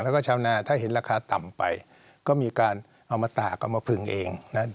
แล้วก็ชาวนาถ้าเห็นราคาต่ำไปก็มีการเอามาตากเอามาผึงเองนะ